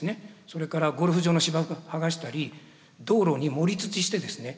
それからゴルフ場の芝生を剥がしたり道路に盛り土してですね